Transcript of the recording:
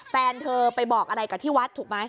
แฟนเธอไปบอกอะไรกับที่วัดถูกไหม